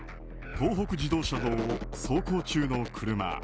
東北自動車道を走行中の車。